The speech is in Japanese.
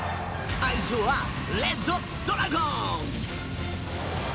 愛称は、レッドドラゴンズ！